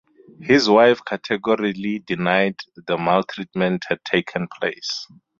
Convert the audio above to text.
His wife categorically denied that maltreatment had taken place.